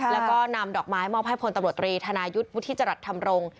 แล้วก็นำดอกไม้มอบให้พลตำรวจตรีธนายุทธ์วุฒิจรัสธรรมรงค์